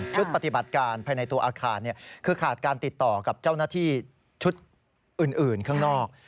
ปฏิบัติการภายในตัวอาคารคือขาดการติดต่อกับเจ้าหน้าที่ชุดอื่นข้างนอก